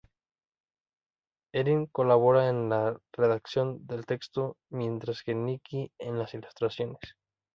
Erin colabora en la redacción del texto mientras que Nikki en las ilustraciones.